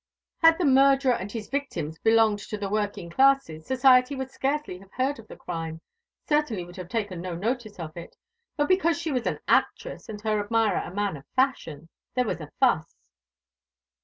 Had the murderer and his victims belonged to the working classes, society would scarcely have heard of the crime, certainly would have taken no notice of it. But because she was an actress and her admirer a man of fashion, there was a fuss."